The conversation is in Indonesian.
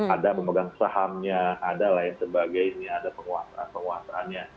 ada pemegang sahamnya ada lain sebagainya ada penguasaan penguasaannya